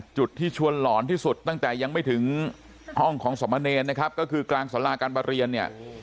จุดที่ชวนหลอนที่สุดตั้งแต่ยังไม่ถึงห้องของสมเนรนะครับก็คือกลางสาราการประเรียนเนี่ย